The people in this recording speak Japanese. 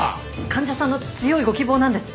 患者さんの強いご希望なんです。